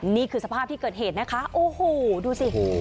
นี่คือสภาพที่เกิดเหตุนะคะโอ้โหดูสิ